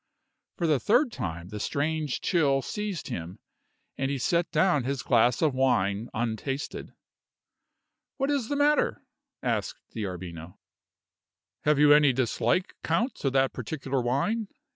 For the third time the strange chill seized him, and he set down his glass of wine untasted. "What is the matter?" asked D'Arbino. "Have you any dislike, count, to that particular wine?"